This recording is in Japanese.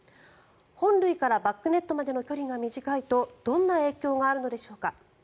本塁からバックネットまでの距離が短いとどんな影響があるのでしょうか。